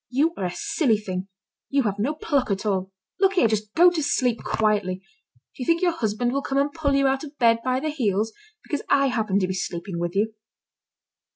You are a silly thing, you have no pluck at all. Look here! just go to sleep quietly. Do you think your husband will come and pull you out of bed by the heels, because I happen to be sleeping with you?"